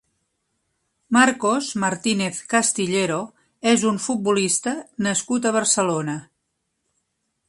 Marcos Martínez Castillero és un futbolista nascut a Barcelona.